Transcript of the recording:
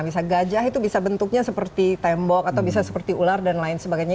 bisa gajah itu bisa bentuknya seperti tembok atau bisa seperti ular dan lain sebagainya